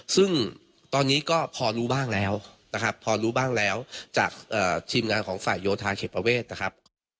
ซึ่งตอนนี้ก็พอรู้บ้างแล้วนะครับพอรู้บ้างแล้วจากทีมงานของฝ่ายโยธาเขตประเวทนะครับ